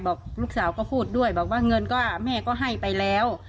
ลูกสาวก็พูดด้วยบอกว่าเงินก็แม่ก็ให้ไปแล้ว